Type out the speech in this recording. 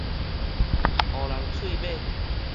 學人喙尾